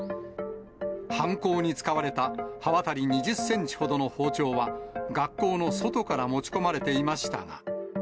犯行に使われた刃渡り２０センチほどの包丁は、学校の外から持ち込まれていましたが。